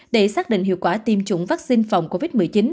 để xác định hiệu quả tiêm chủng vaccine phòng covid một mươi chín